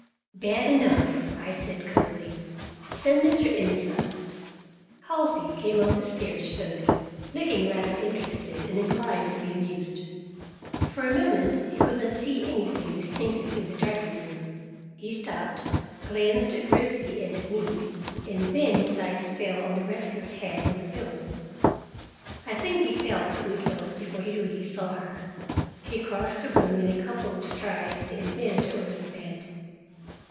"Bad enough," I said coldly. "Send Mr. Innes up." Halsey came up the stairs slowly, looking rather interested and inclined to be amused. For a moment he could not see anything distinctly in the darkened room; he stopped, glanced at Rosie and at me, and then his eyes fell on the restless head on the pillow. I think he felt who it was before he really saw her; he crossed the room in a couple of strides and bent over the bed.